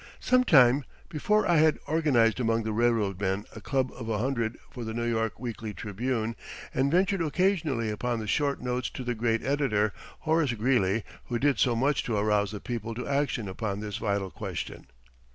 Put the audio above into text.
Some time before I had organized among the railroad men a club of a hundred for the "New York Weekly Tribune," and ventured occasionally upon short notes to the great editor, Horace Greeley, who did so much to arouse the people to action upon this vital question.